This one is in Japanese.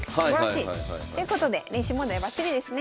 ということで練習問題バッチリですね。